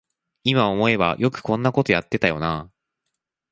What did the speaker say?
いま思えばよくこんなことやってたよなあ